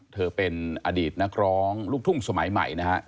เธอเป็นอดีตนักร้องลูกทุ่งสมัยใหม่นะฮะ